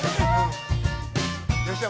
よっしゃ！